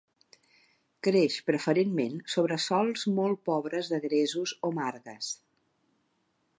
Creix preferentment, sobre sòls molt pobres de gresos o margues.